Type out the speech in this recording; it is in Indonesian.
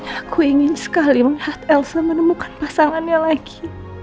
aku ingin sekali melihat elsa menemukan pasangannya lagi